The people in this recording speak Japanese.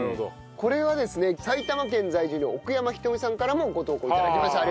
これはですね埼玉県在住の奥山ひとみさんからもご投稿頂きました。